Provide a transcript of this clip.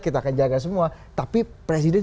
kita akan jaga semua tapi presiden